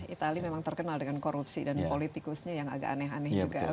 itali memang terkenal dengan korupsi dan politikusnya yang agak aneh aneh juga